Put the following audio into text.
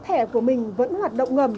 thẻ của mình vẫn hoạt động ngầm